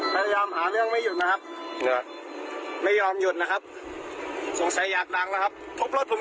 พยายามหาเรื่องไม่หยุดนะครับไม่ยอมหยุดนะครับสงสัยอยากดังนะครับทุบรถผมด้วยนะครับแตกด้วยนะครับ